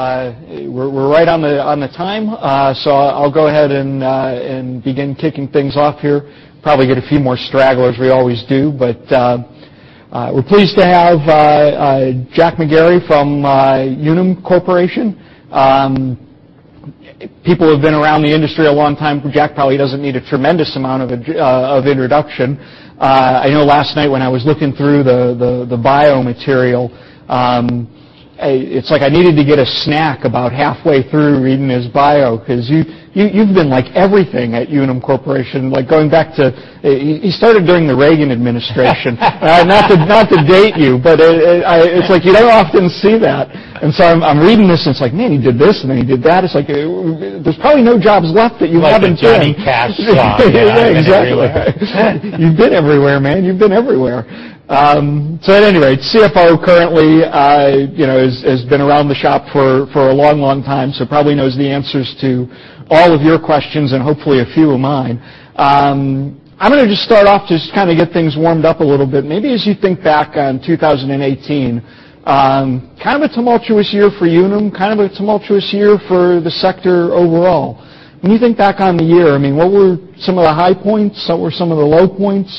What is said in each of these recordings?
We're right on the time, I'll go ahead and begin kicking things off here. Probably get a few more stragglers, we always do. We're pleased to have Jack McGarry from Unum Corporation. People who have been around the industry a long time, Jack probably doesn't need a tremendous amount of introduction. I know last night when I was looking through the bio material, it's like I needed to get a snack about halfway through reading his bio because you've been like everything at Unum Corporation, like going back to He started during the Reagan administration. Not to date you, but it's like you don't often see that. I'm reading this and it's like, man, he did this and then he did that. It's like, there's probably no jobs left that you haven't done. Like a Johnny Cash song. I've been everywhere. Yeah, exactly. You've been everywhere, man. You've been everywhere. At any rate, CFO currently, has been around the shop for a long time, so probably knows the answers to all of your questions and hopefully a few of mine. I'm going to just start off, just get things warmed up a little bit. Maybe as you think back on 2018, kind of a tumultuous year for Unum, kind of a tumultuous year for the sector overall. When you think back on the year, what were some of the high points? What were some of the low points?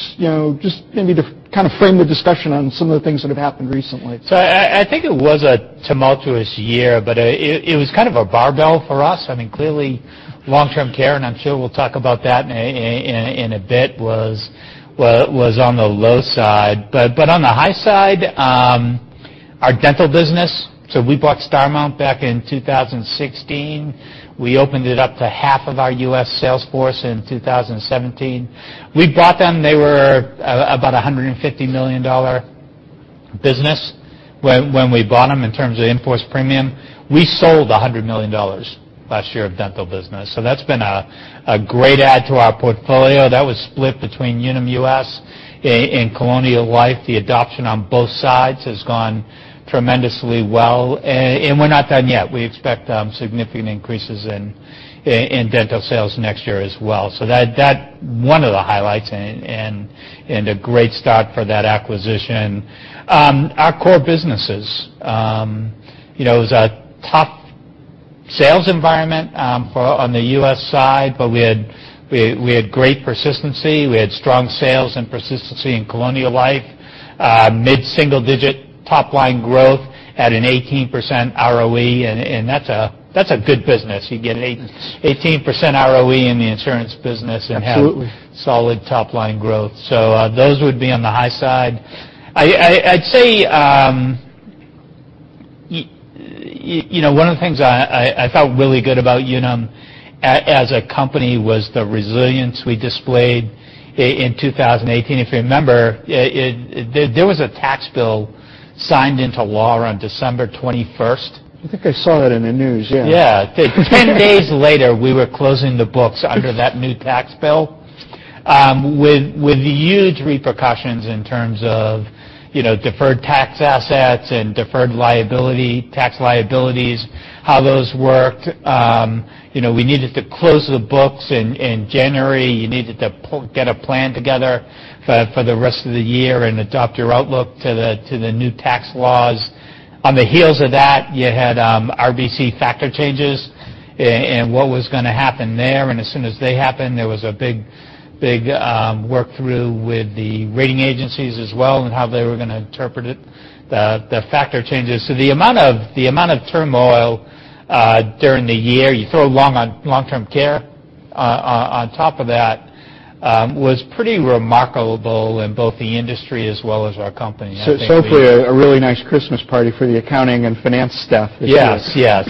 Just maybe to kind of frame the discussion on some of the things that have happened recently. I think it was a tumultuous year, it was kind of a barbell for us. Clearly long-term care, and I'm sure we'll talk about that in a bit, was on the low side. On the high side, our dental business, we bought Starmount back in 2016. We opened it up to half of our U.S. sales force in 2017. We bought them, they were about $150 million business when we bought them in terms of in-force premium. We sold $100 million last year of dental business. That's been a great add to our portfolio. That was split between Unum U.S. and Colonial Life. The adoption on both sides has gone tremendously well. We're not done yet. We expect significant increases in dental sales next year as well. That, one of the highlights and a great start for that acquisition. Our core businesses. It was a tough sales environment on the U.S. side, but we had great persistency. We had strong sales and persistency in Colonial Life. Mid-single-digit top-line growth at an 18% ROE, that's a good business. You get 18% ROE in the insurance business- Absolutely Have solid top-line growth. Those would be on the high side. I'd say one of the things I felt really good about Unum as a company was the resilience we displayed in 2018. If you remember, there was a tax bill signed into law on December 21st. I think I saw that in the news, yeah. Yeah. 10 days later, we were closing the books under that new tax bill, with huge repercussions in terms of deferred tax assets and deferred tax liabilities, how those worked. We needed to close the books in January. You needed to get a plan together for the rest of the year and adopt your outlook to the new tax laws. On the heels of that, you had RBC factor changes and what was going to happen there. As soon as they happened, there was a big work through with the rating agencies as well on how they were going to interpret it, the factor changes. The amount of turmoil during the year, you throw long-term care on top of that, was pretty remarkable in both the industry as well as our company. I think we- Hopefully a really nice Christmas party for the accounting and finance staff, I guess. Yes.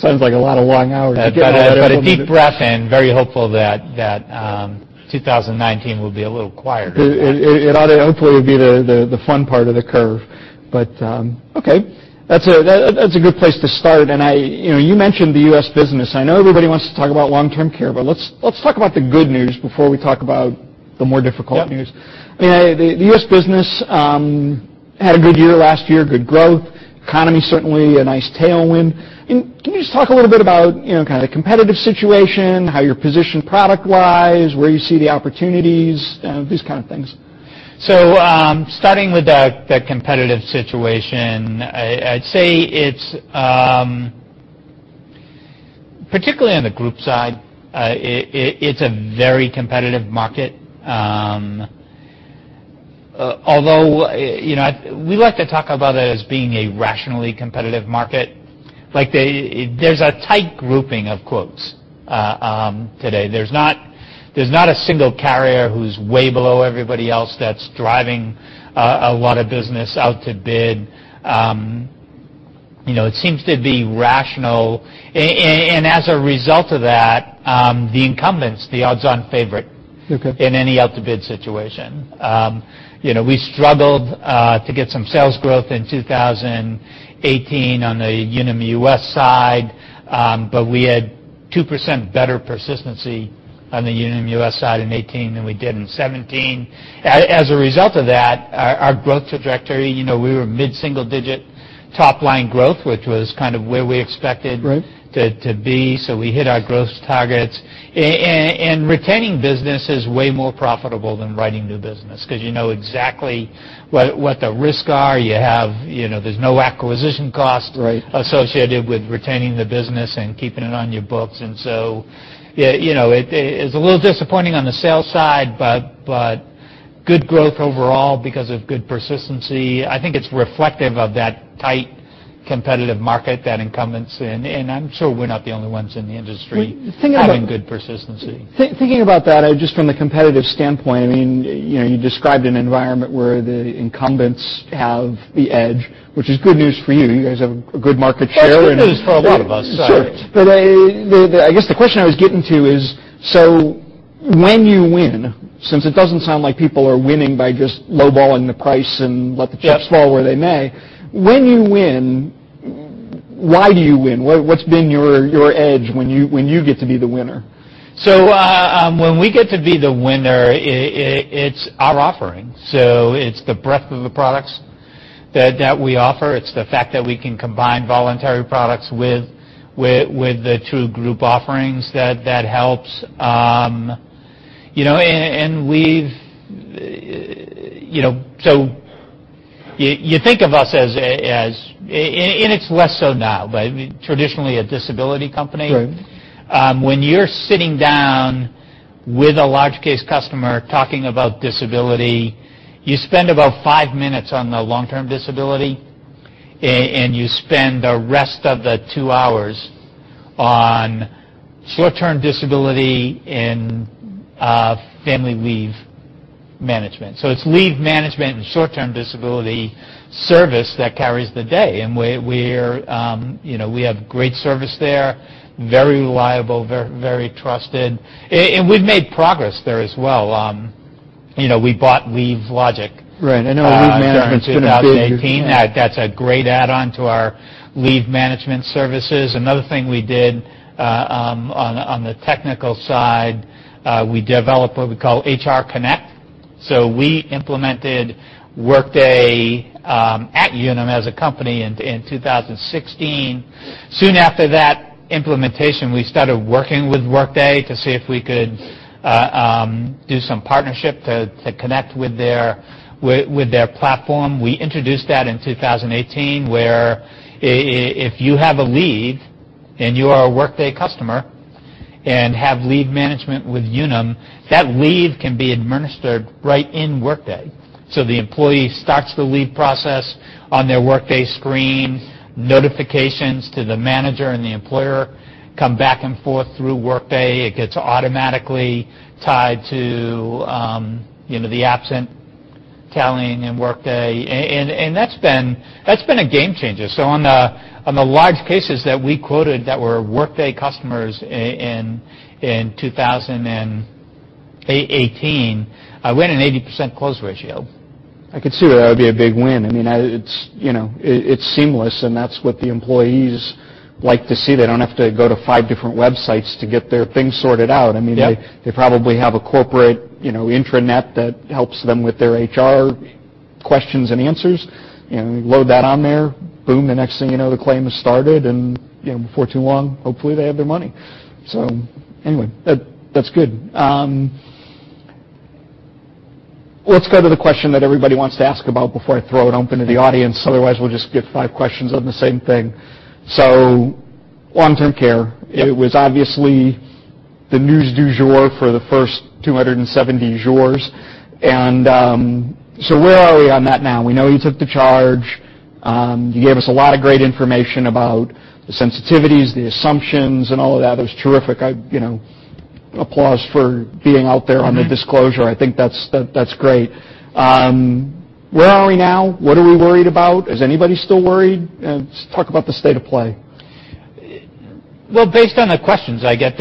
Sounds like a lot of long hours to get all that implemented. A deep breath in, very hopeful that 2019 will be a little quieter. It ought to hopefully be the fun part of the curve. Okay. That's a good place to start. You mentioned the U.S. business. I know everybody wants to talk about long-term care, but let's talk about the good news before we talk about the more difficult news. Yep. The U.S. business had a good year last year, good growth. Economy certainly a nice tailwind. Can you just talk a little bit about kind of the competitive situation, how you're positioned product-wise, where you see the opportunities, those kind of things? Starting with the competitive situation, I'd say it's particularly on the group side, it's a very competitive market. Although we like to talk about it as being a rationally competitive market. There's a tight grouping of quotes today. There's not a single carrier who's way below everybody else that's driving a lot of business out to bid. It seems to be rational. As a result of that, the incumbent's the odds-on favorite Okay in any out-to-bid situation. We struggled to get some sales growth in 2018 on the Unum US side. We had 2% better persistency on the Unum US side in 2018 than we did in 2017. As a result of that, our growth trajectory, we were mid-single digit Top line growth, which was kind of where we expected Right to be, we hit our growth targets. Retaining business is way more profitable than writing new business, because you know exactly what the risks are. There's no acquisition cost Right associated with retaining the business and keeping it on your books. It is a little disappointing on the sales side, but good growth overall because of good persistency. I think it's reflective of that tight, competitive market that incumbents in. I'm sure we're not the only ones in the industry- Well, thinking about- having good persistency. Thinking about that, just from the competitive standpoint, you described an environment where the incumbents have the edge, which is good news for you. You guys have a good market share and- It's good news for a lot of us. Sure. I guess the question I was getting to is, so when you win, since it doesn't sound like people are winning by just low-balling the price and Yep chips fall where they may. When you win, why do you win? What's been your edge when you get to be the winner? When we get to be the winner, it's our offering. It's the breadth of the products that we offer. It's the fact that we can combine voluntary products with the true group offerings that helps. You think of us as, and it's less so now, but traditionally a disability company. Right. When you're sitting down with a large case customer talking about disability, you spend about five minutes on the long-term disability, and you spend the rest of the two hours on short-term disability and family leave management. It's leave management and short-term disability service that carries the day, and we have great service there. Very reliable, very trusted, and we've made progress there as well. We bought LeaveLogic Right. I know Leave Management's been a big during 2018. That's a great add-on to our leave management services. Another thing we did on the technical side, we developed what we call HR Connect. We implemented Workday at Unum as a company in 2016. Soon after that implementation, we started working with Workday to see if we could do some partnership to connect with their platform. We introduced that in 2018, where if you have a leave and you are a Workday customer and have leave management with Unum, that leave can be administered right in Workday. The employee starts the leave process on their Workday screen, notifications to the manager and the employer come back and forth through Workday. It gets automatically tied to the absent tallying in Workday, and that's been a game changer. On the large cases that we quoted that were Workday customers in 2018, I went an 80% close ratio. I could see where that would be a big win. It's seamless, and that's what the employees like to see. They don't have to go to five different websites to get their things sorted out. Yep. They probably have a corporate intranet that helps them with their HR questions and answers, and load that on there. Boom, the next thing you know, the claim has started, and before too long, hopefully they have their money. Anyway, that's good. Let's go to the question that everybody wants to ask about before I throw it open to the audience. Otherwise, we'll just get five questions on the same thing. Long-term care, it was obviously the news du jour for the first 270 jours, where are we on that now? We know you took the charge. You gave us a lot of great information about the sensitivities, the assumptions, and all of that. It was terrific. Applause for being out there on the disclosure. I think that's great. Where are we now? What are we worried about? Is anybody still worried? Talk about the state of play. Well, based on the questions I get,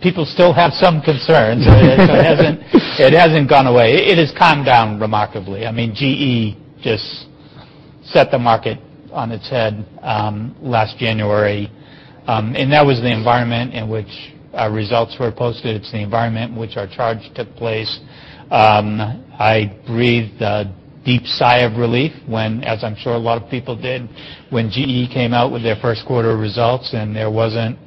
people still have some concerns. It hasn't gone away. It has calmed down remarkably. GE just set the market on its head last January, that was the environment in which our results were posted. It's the environment in which our charge took place. I breathed a deep sigh of relief when, as I'm sure a lot of people did, when GE came out with their first quarter results and there wasn't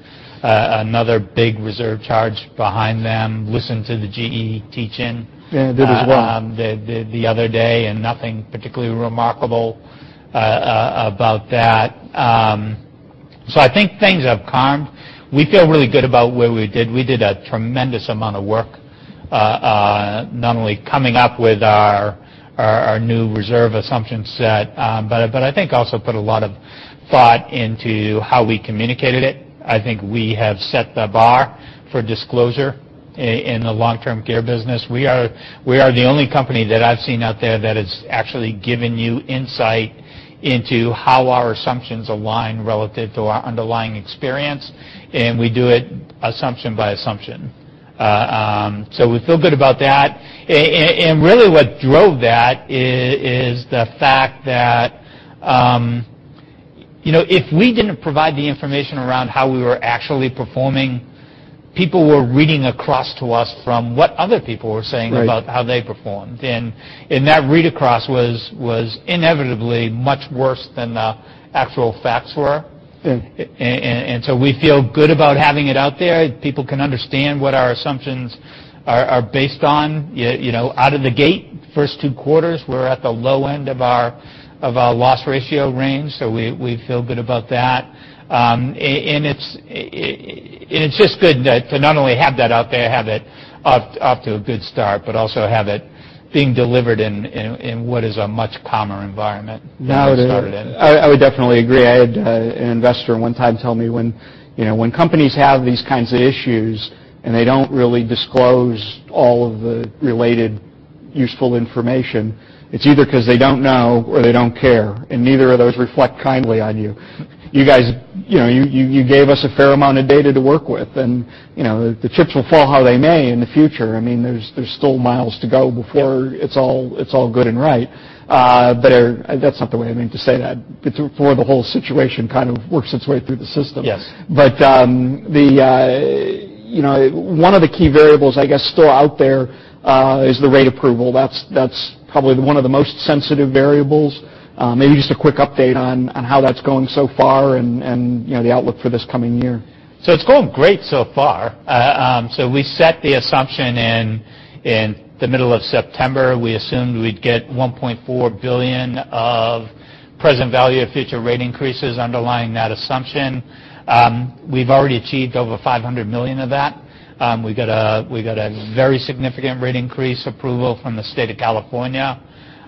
another big reserve charge behind them. Listened to the GE teach-in- Yeah, did as well The other day, nothing particularly remarkable about that. I think things have calmed. We feel really good about where we did. We did a tremendous amount of work, not only coming up with our new reserve assumption set, but I think also put a lot of thought into how we communicated it. I think we have set the bar for disclosure in the long-term care business. We are the only company that I've seen out there that has actually given you insight into how our assumptions align relative to our underlying experience, and we do it assumption by assumption. We feel good about that. Really what drove that is the fact that if we didn't provide the information around how we were actually performing, people were reading across to us from what other people were saying. Right About how they performed. That read across was inevitably much worse than the actual facts were. Yes. We feel good about having it out there. People can understand what our assumptions are based on. Out of the gate, first two quarters, we're at the low end of our loss ratio range, so we feel good about that. It's just good to not only have that out there, have it off to a good start, but also have it being delivered in what is a much calmer environment than we started in. I would definitely agree. I had an investor one time tell me when companies have these kinds of issues and they don't really disclose all of the related useful information, it's either because they don't know or they don't care. Neither of those reflect kindly on you. You guys gave us a fair amount of data to work with, the chips will fall how they may in the future. There's still miles to go before it's all good and right. That's not the way I mean to say that. Before the whole situation kind of works its way through the system. Yes. One of the key variables, I guess, still out there is the rate approval. That's probably one of the most sensitive variables. Maybe just a quick update on how that's going so far and the outlook for this coming year. It's going great so far. We set the assumption in the middle of September. We assumed we'd get $1.4 billion of present value of future rate increases underlying that assumption. We've already achieved over $500 million of that. We got a very significant rate increase approval from the state of California.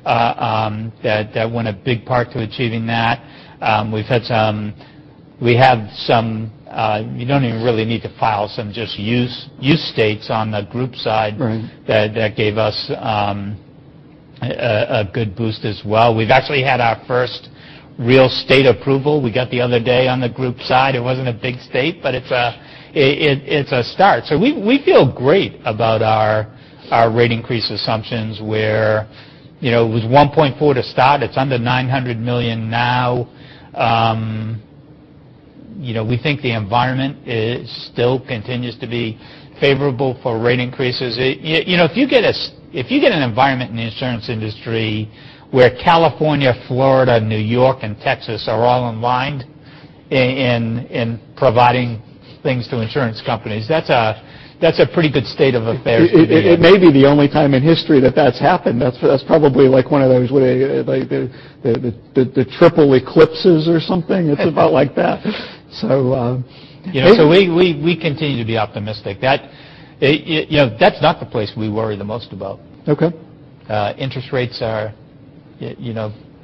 That went a big part to achieving that. You don't even really need to file some, just use states on the group side- Right That gave us a good boost as well. We've actually had our first real state approval we got the other day on the group side. It wasn't a big state, but it's a start. We feel great about our rate increase assumptions where it was $1.4 to start. It's under $900 million now. We think the environment still continues to be favorable for rate increases. If you get an environment in the insurance industry where California, Florida, New York, and Texas are all aligned in providing things to insurance companies, that's a pretty good state of affairs if you ask me. It may be the only time in history that that's happened. That's probably like one of those, the triple eclipses or something. It's about like that. We continue to be optimistic. That's not the place we worry the most about. Okay. Interest rates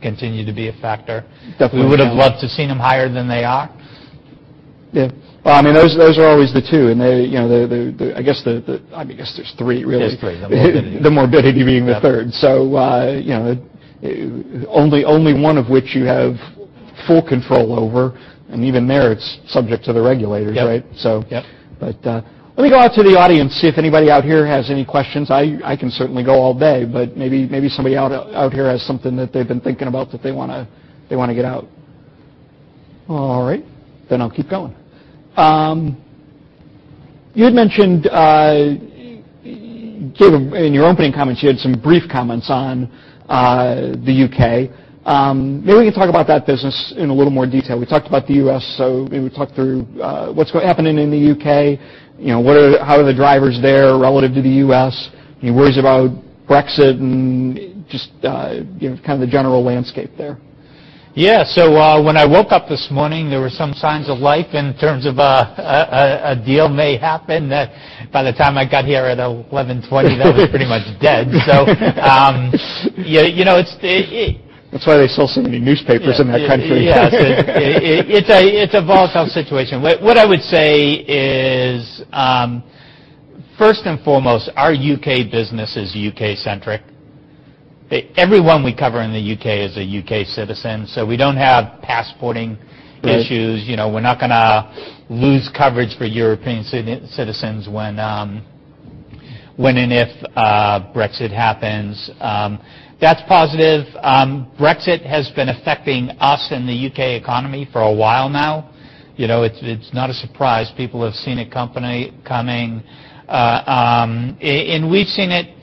continue to be a factor. Definitely. We would have loved to have seen them higher than they are. Yeah. Those are always the two, I guess there's three, really. There's three, the morbidity. The morbidity being the third. Yeah. Only one of which you have full control over, and even there it's subject to the regulators, right? Yep. Let me go out to the audience, see if anybody out here has any questions. I can certainly go all day, but maybe somebody out here has something that they've been thinking about that they want to get out. All right, I'll keep going. You had mentioned in your opening comments, you had some brief comments on the U.K. Maybe you can talk about that business in a little more detail. We talked about the U.S., so maybe talk through what's happening in the U.K., how are the drivers there relative to the U.S.? Any worries about Brexit and just kind of the general landscape there? Yeah. When I woke up this morning, there were some signs of life in terms of a deal may happen. By the time I got here at 11:20, that was pretty much dead. That's why they sell so many newspapers in that country. Yes. It's a volatile situation. What I would say is first and foremost, our U.K. business is U.K. centric. Everyone we cover in the U.K. is a U.K. citizen, so we don't have passporting issues. Right. We're not going to lose coverage for European citizens when and if Brexit happens. That's positive. Brexit has been affecting us and the U.K. economy for a while now. It's not a surprise. People have seen it coming. We've seen it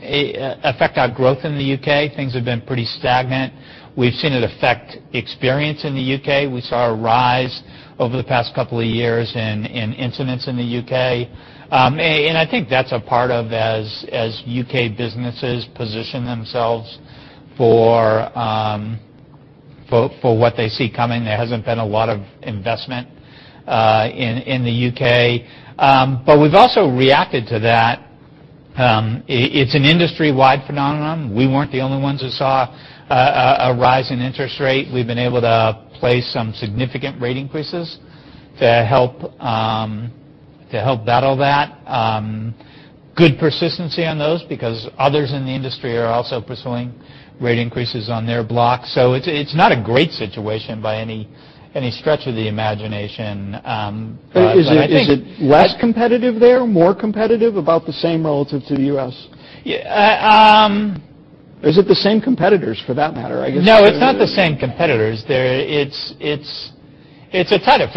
affect our growth in the U.K. Things have been pretty stagnant. We've seen it affect experience in the U.K. We saw a rise over the past couple of years in incidents in the U.K. I think that's a part of as U.K. businesses position themselves for what they see coming. There hasn't been a lot of investment in the U.K. We've also reacted to that. It's an industry-wide phenomenon. We weren't the only ones who saw a rise in interest rate. We've been able to place some significant rate increases to help battle that. Good persistency on those because others in the industry are also pursuing rate increases on their block. It's not a great situation by any stretch of the imagination. Is it less competitive there, more competitive, about the same relative to the U.S.? Is it the same competitors for that matter? No, it's not the same competitors. It's a tight.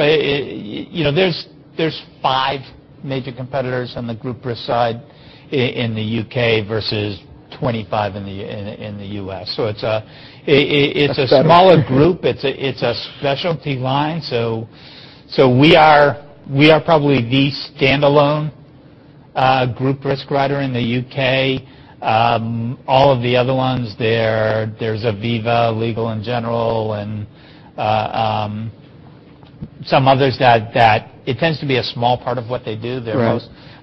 There's five major competitors on the group risk side in the U.K. versus 25 in the U.S. That's better smaller group. It's a specialty line. We are probably the standalone group risk writer in the U.K. All of the other ones, there's Aviva, Legal & General, and some others that it tends to be a small part of what they do. Right. They're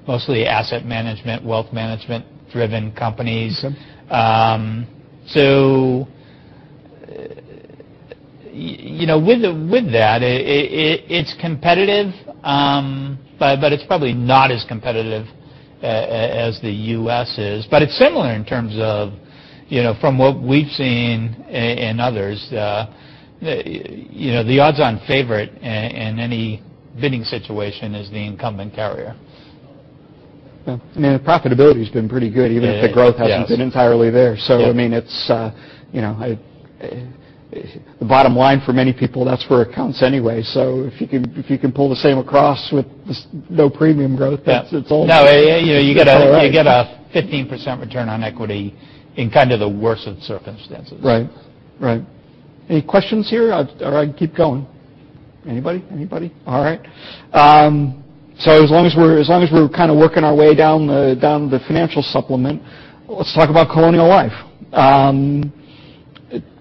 mostly asset management, wealth management driven companies. Okay. With that, it's competitive, but it's probably not as competitive as the U.S. is. It's similar in terms of from what we've seen in others. The odds-on favorite in any bidding situation is the incumbent carrier. Yeah. I mean, the profitability's been pretty good. Yeah. Yes. the growth hasn't been entirely there. Yeah. the bottom line for many people, that's where it counts anyway. if you can pull the same across with this no premium growth, that's. Yeah it's all. No, you get a 15% return on equity in kind of the worst of circumstances. Right. Any questions here, or I can keep going? Anybody? All right. As long as we're kind of working our way down the financial supplement, let's talk about Colonial Life.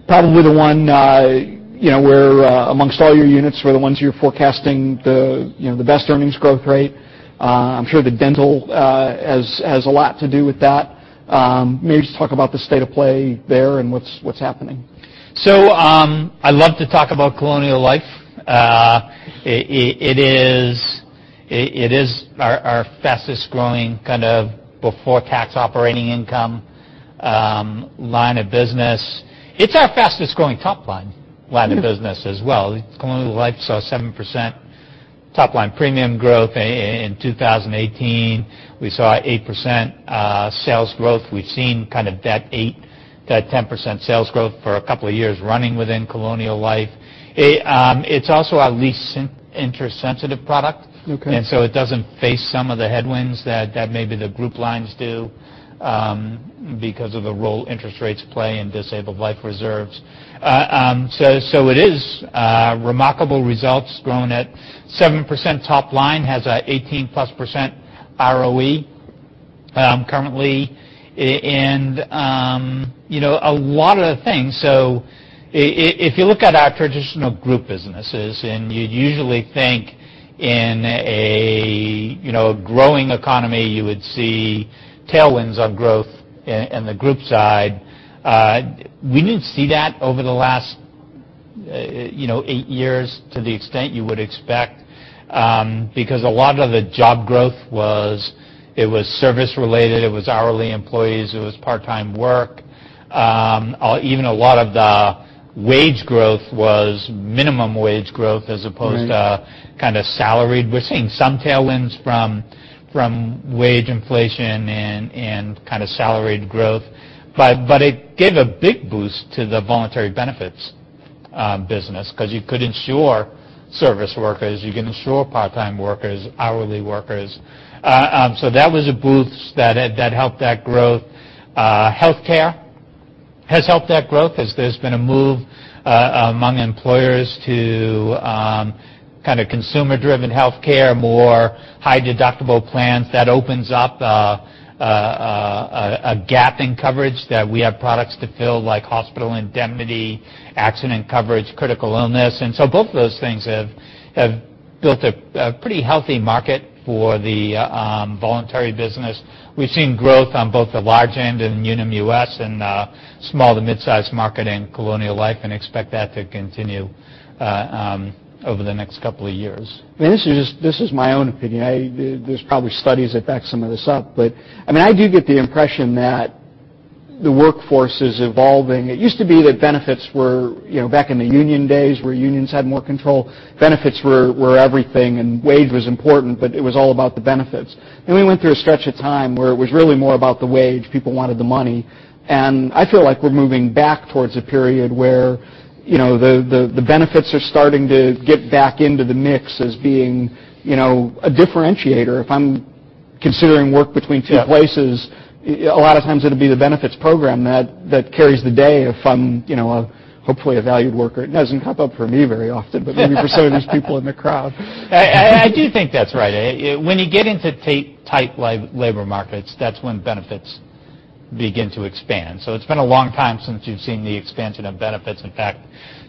Probably the one where amongst all your units, we're the ones you're forecasting the best earnings growth rate. I'm sure the dental has a lot to do with that. Maybe just talk about the state of play there and what's happening. I love to talk about Colonial Life. It is our fastest growing kind of before-tax operating income line of business. It's our fastest growing top line line of business as well. Colonial Life saw a 7% top-line premium growth in 2018. We saw 8% sales growth. We've seen kind of that 8%-10% sales growth for a couple of years running within Colonial Life. It's also our least interest-sensitive product. Okay. It doesn't face some of the headwinds that maybe the group lines do because of the role interest rates play in disabled life reserves. It is remarkable results growing at 7% top line, has a 18+% ROE currently, and a lot of things. If you look at our traditional group businesses, and you'd usually think in a growing economy, you would see tailwinds of growth in the group side. We didn't see that over the last eight years to the extent you would expect, because a lot of the job growth was service related, it was hourly employees, it was part-time work. Even a lot of the wage growth was minimum wage growth as opposed to. Right kind of salaried. We're seeing some tailwinds from wage inflation and kind of salaried growth. It gave a big boost to the voluntary benefits business because you could insure service workers, you can insure part-time workers, hourly workers. That was a boost that helped that growth. Healthcare has helped that growth as there's been a move among employers to kind of consumer driven healthcare, more high deductible plans that opens up a gap in coverage that we have products to fill, like hospital indemnity, accident coverage, critical illness. Both of those things have built a pretty healthy market for the voluntary business. We've seen growth on both the large end in Unum US and small to midsize market in Colonial Life and expect that to continue over the next couple of years. This is my own opinion. There's probably studies that back some of this up. I do get the impression that the workforce is evolving. It used to be that benefits were back in the union days where unions had more control. Benefits were everything. Wage was important. It was all about the benefits. We went through a stretch of time where it was really more about the wage. People wanted the money. I feel like we're moving back towards a period where the benefits are starting to get back into the mix as being a differentiator. If I'm considering work between two places. Yeah A lot of times it'll be the benefits program that carries the day if I'm hopefully a valued worker. It doesn't come up for me very often. Maybe for some of these people in the crowd. I do think that's right. When you get into tight labor markets, that's when benefits begin to expand. It's been a long time since you've seen the expansion of benefits. In fact,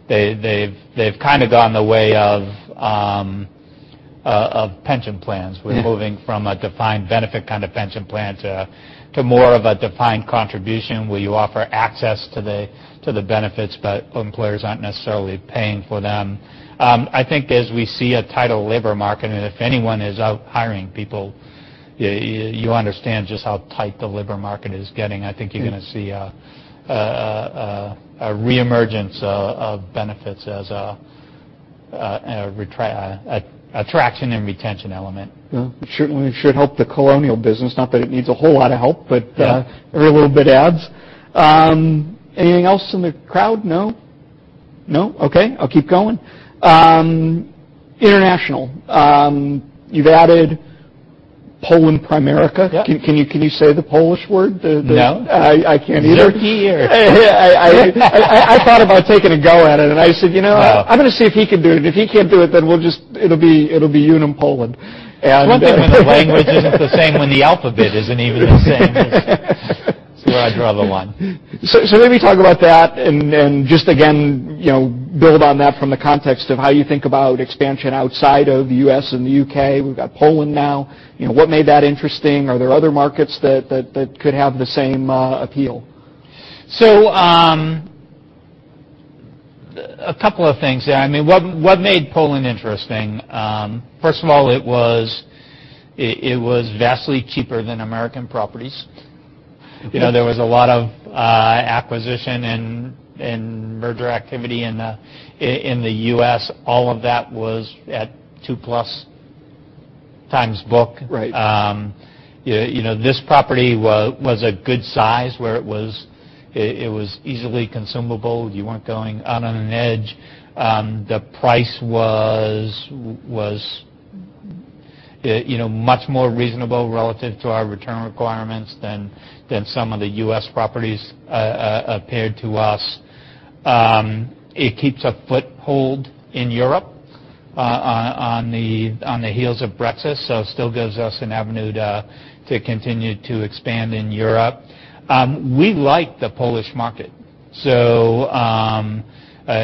they've kind of gone the way of pension plans. We're moving from a defined benefit kind of pension plan to more of a defined contribution where you offer access to the benefits, but employers aren't necessarily paying for them. I think as we see a tighter labor market, and if anyone is out hiring people, you understand just how tight the labor market is getting. I think you're going to see a reemergence of benefits as an attraction and retention element. Yeah. It certainly should help the Colonial business. Not that it needs a whole lot of help. Yeah Every little bit adds. Anything else from the crowd? No? No. Okay. I'll keep going. International. You've added Poland Pramerica. Yep. Can you say the Polish word? No. I can't either. I thought about taking a go at it, and I said, "You know? No. I'm going to see if he can do it. If he can't do it, then it'll be Unum Poland. One thing when the language isn't the same, when the alphabet isn't even the same, is where I draw the line. Maybe talk about that, and then just again, build on that from the context of how you think about expansion outside of the U.S. and the U.K. We've got Poland now. What made that interesting? Are there other markets that could have the same appeal? A couple of things there. What made Poland interesting? First of all, it was vastly cheaper than U.S. properties. Okay. There was a lot of acquisition and merger activity in the U.S. All of that was at 2-plus times book. Right. This property was a good size, where it was easily consumable. You weren't going out on an edge. The price was much more reasonable relative to our return requirements than some of the U.S. properties appeared to us. It keeps a foothold in Europe on the heels of Brexit, it still gives us an avenue to continue to expand in Europe. We like the Polish market. I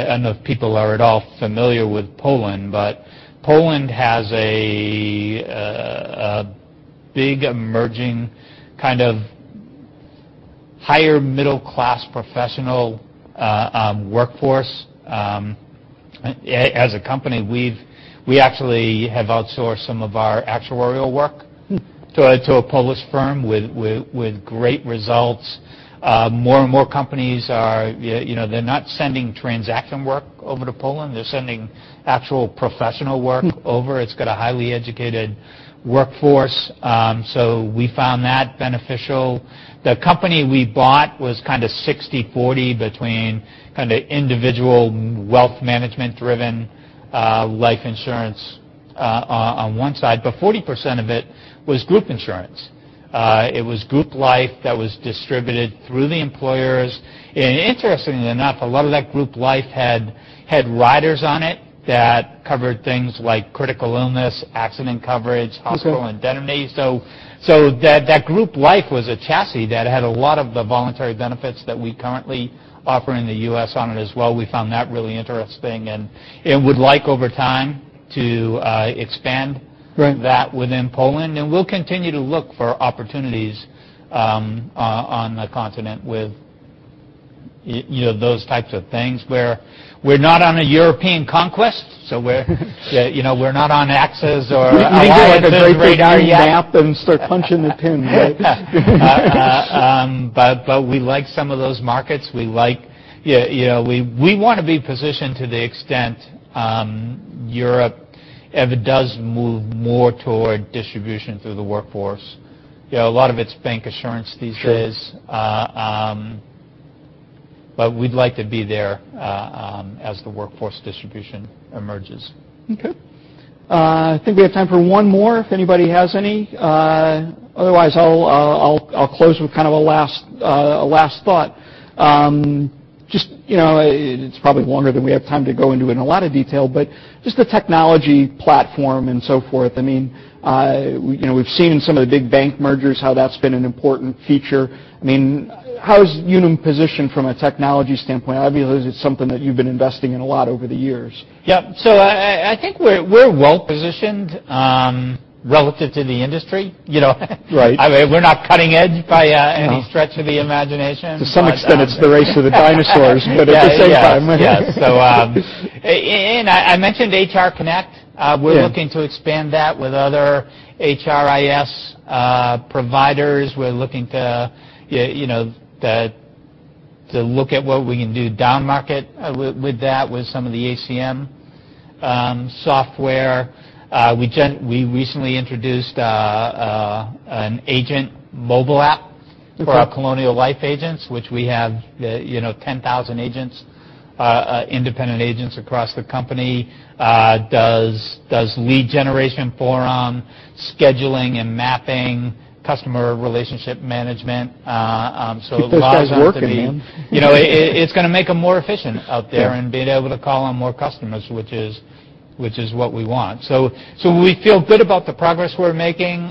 don't know if people are at all familiar with Poland, but Poland has a big emerging kind of higher middle class professional workforce. As a company, we actually have outsourced some of our actuarial work to a Polish firm with great results. More and more companies are not sending transaction work over to Poland. They're sending actual professional work over. It's got a highly educated workforce. We found that beneficial. The company we bought was kind of 60/40 between kind of individual wealth management driven life insurance on one side, but 40% of it was group insurance. It was group life that was distributed through the employers. Interestingly enough, a lot of that group life had riders on it that covered things like critical illness, accident coverage. Okay hospital indemnity. That group life was a chassis that had a lot of the voluntary benefits that we currently offer in the U.S. on it as well. We found that really interesting and would like over time to expand Right that within Poland. We'll continue to look for opportunities on the continent with those types of things where we're not on a European conquest. We're not on Axis or Allies or D-Day yet. We need like a big giant map and start punching the pins in. We like some of those markets. We want to be positioned to the extent Europe, if it does move more toward distribution through the workforce. A lot of it's bancassurance these days. Sure. We'd like to be there as the workforce distribution emerges. Okay. I think we have time for one more, if anybody has any. I'll close with kind of a last thought. It's probably longer than we have time to go into in a lot of detail, but just the technology platform and so forth. We've seen in some of the big bank mergers how that's been an important feature. How is Unum positioned from a technology standpoint? Obviously, this is something that you've been investing in a lot over the years. Yep. I think we're well positioned relative to the industry. Right. We're not cutting edge by any stretch of the imagination. To some extent, it's the race of the dinosaurs. Yeah. I mentioned HR Connect. Yeah. We're looking to expand that with other HRIS providers. We're looking to look at what we can do down market with that, with some of the HCM software. We recently introduced an agent mobile app. Okay for our Colonial Life agents, which we have 10,000 independent agents across the company. Does lead generation for them, scheduling and mapping, customer relationship management. It allows us to be. Keep those guys working then. It's going to make them more efficient out there. Yeah in being able to call on more customers, which is what we want. We feel good about the progress we're making.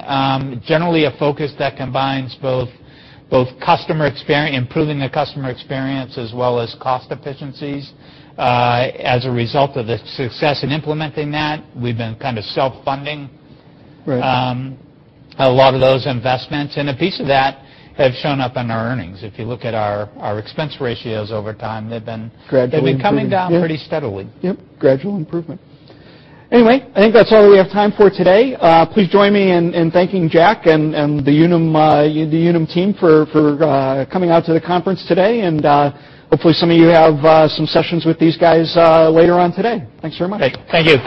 Generally, a focus that combines both improving the customer experience as well as cost efficiencies. As a result of the success in implementing that, we've been kind of self-funding. Right a lot of those investments, a piece of that has shown up in our earnings. If you look at our expense ratios over time, they've been. Gradually improving. Yeah. Coming down pretty steadily. Yep, gradual improvement. I think that's all we have time for today. Please join me in thanking Jack and the Unum team for coming out to the conference today, and hopefully some of you have some sessions with these guys later on today. Thanks very much.